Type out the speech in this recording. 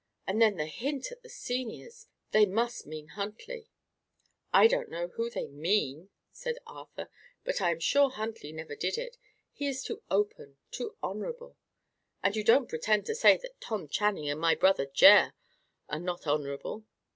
And then the hint at the seniors! They must mean Huntley." "I don't know who they mean," said Arthur, "but I am sure Huntley never did it. He is too open, too honourable " "And do you pretend to say that Tom Channing and my brother Ger are not honourable?"